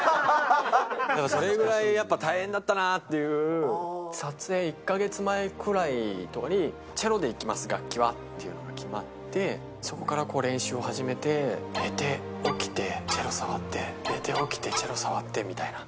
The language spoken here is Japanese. でもそれぐらいやっぱ大変だったなっていう、撮影１か月前くらいとかに、チェロでいきます、楽器はっていうのが決まって、そこから練習を始めて、寝て、起きて、チェロ触って、寝て、起きて、チェロ触ってみたいな。